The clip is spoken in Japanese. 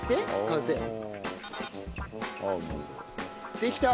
できた！